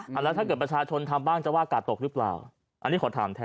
แล้วถ้าเกิดประชาชนทำบ้างจะว่ากาดตกหรือเปล่าอันนี้ขอถามแทน